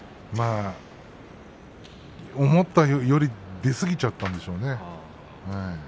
思ったより出すぎちゃったんでしょうね。